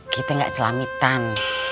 kita gak celamitan